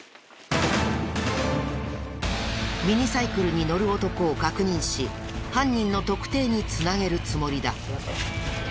ミニサイクルに乗る男を確認し犯人の特定に繋げるつもりだ。